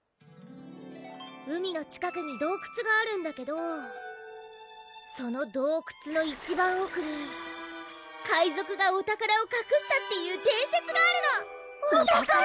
海の近くに洞窟があるんだけどその洞窟の一番奥に海賊がお宝をかくしたっていう伝説があるのお宝？